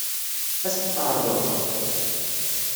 Ad as-tt-tɛeṛḍeḍ?